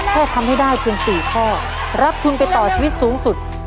แค่ทำให้ได้เพียง๔ข้อรับทุนไปต่อชีวิตสูงสุด